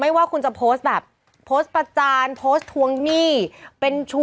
ไม่ว่าคุณจะโพสแบบโพสประจานโพสเป็นชู้เมียน้อยต่อให้คุณเป็นเมียหลวง